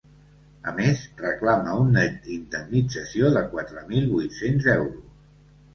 A més, reclama una indemnització de quatre mil vuit-cents euros.